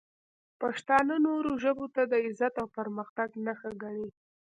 پښتانه نورو ژبو ته د عزت او پرمختګ نښه ګڼي.